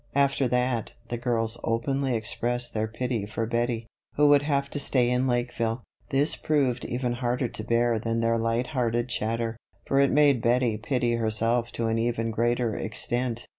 After that, the girls openly expressed their pity for Bettie, who would have to stay in Lakeville. This proved even harder to bear than their light hearted chatter; for it made Bettie pity herself to an even greater extent.